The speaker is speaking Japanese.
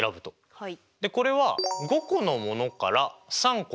はい。